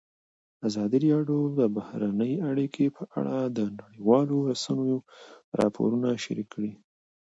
ازادي راډیو د بهرنۍ اړیکې په اړه د نړیوالو رسنیو راپورونه شریک کړي.